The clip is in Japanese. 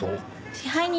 支配人。